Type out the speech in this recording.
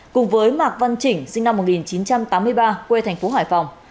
cùng với mạc văn chỉnh sinh năm một nghìn chín trăm tám mươi ba quê thành phố hải phòng